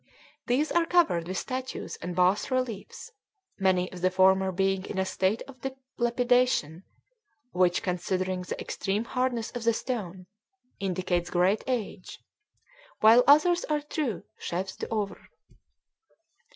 These are covered with statues and bass reliefs, many of the former being in a state of dilapidation which, considering the extreme hardness of the stone, indicates great age, while others are true chefs d'oeuvre.